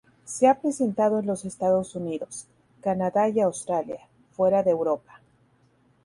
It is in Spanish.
Se ha presentado en los Estados Unidos, Canada y Australia, fuera de Europa.